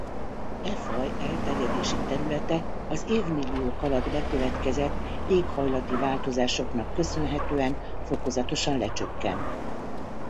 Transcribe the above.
E faj elterjedési területe az évmilliók alatt bekövetkezett éghajlati változásoknak köszönhetően fokozatosan lecsökkent.